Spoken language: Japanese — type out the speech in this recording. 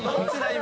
今。